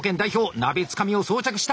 鍋つかみを装着した。